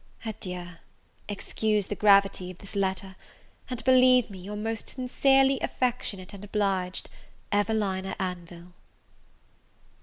Adieu! excuse the gravity of this letter; and believe me, your most sincerely Affectionate and obliged EVELINA ANVILLE.